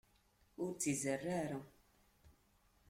Ur tt-izerreε ara!